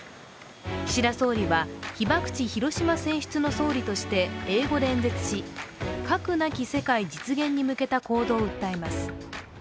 岸田総理は、被爆地・広島選出の総理として、英語で演説し、核なき世界実現に向けた行動を訴えます。